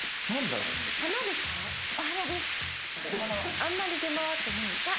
あまり出回ってない。